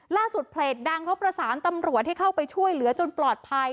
ล่าสุดเพรตดังเพราะประสานตำรวจที่เข้าไปช่วยเหลือจนปลอดภัย